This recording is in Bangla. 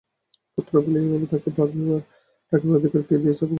পুত্র বলিয়া এভাবে তাকে ডাকিবার অধিকার কে দিয়াছে গোপালকে?